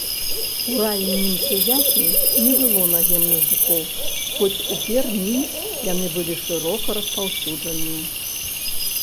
У раннім трыясе не было наземных жукоў, хоць у пермі яны былі шырока распаўсюджаныя.